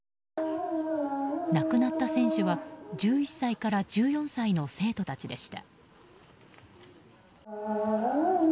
亡くなった選手は、１１歳から１４歳の生徒たちでした。